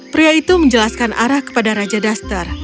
pria itu menjelaskan arah kepada raja duster